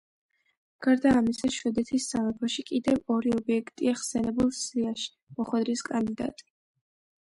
გარდა ამისა, შვედეთის სამეფოში კიდევ ორი ობიექტია ხსენებულ სიაში მოხვედრის კანდიდატი.